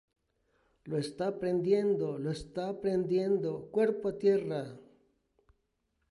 ¡ Lo esta prendiendo! ¡ lo esta prendiendo! ¡ cuerpo a tierra!